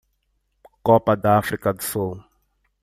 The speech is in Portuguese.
Copa da África do Sul.